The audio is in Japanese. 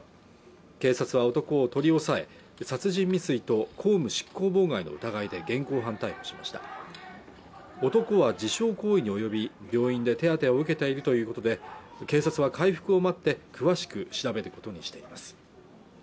警察は男を取り押さえ殺人未遂と公務執行妨害の疑いで現行犯逮捕しました男は自傷行為に及び病院で手当てを受けているということで警察は回復を待って詳しく調べることにしていきます